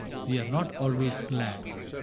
We are not always glad .